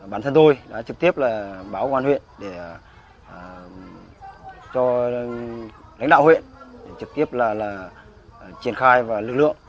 bản thân tôi đã trực tiếp báo quan huyện để cho lãnh đạo huyện trực tiếp là triển khai và lực lượng